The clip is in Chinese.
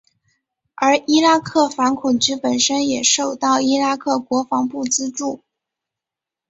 而伊拉克反恐局本身也受到伊拉克国防部资助。